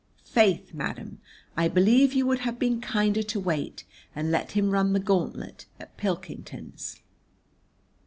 Faith, madam, I believe you would have been kinder to wait and let him run the gauntlet at Pilkington's.